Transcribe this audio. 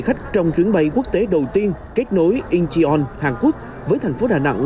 khách trong chuyến bay quốc tế đầu tiên kết nối incheon hàn quốc với thành phố đà nẵng